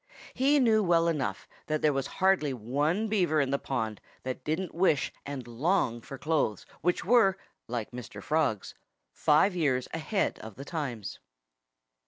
He knew well enough that there was hardly one Beaver in the pond that didn't wish and long for clothes which were, like Mr. Frog's, five years ahead of the times.